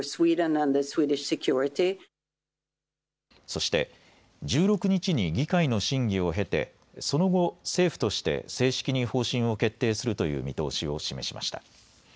そして、１６日に議会の審議を経てその後、政府として正式に方針を決定するという見通しを示しました。